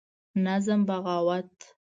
نظم: بغاوت